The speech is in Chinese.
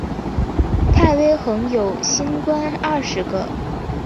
太微垣有星官二十个。